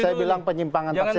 saya bilang penyimpangan tafsir